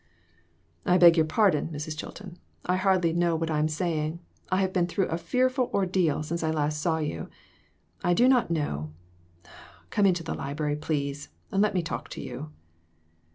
" I beg your pardon, Mrs. Chilton ; I hardly know what I am saying. I have been through a fearful ordeal since I last saw you. I do not know come into the library, please, and let me talk to you."